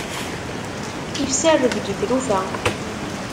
Ifsa rrebg i tlufa.